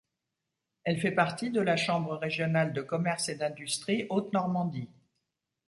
Elle fait partie de la Chambre régionale de commerce et d'industrie Haute-Normandie.